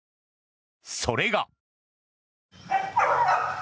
それが。